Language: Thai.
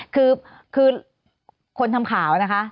คือคนทำข่าวนะคะ